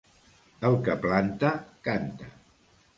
El que planta, canta.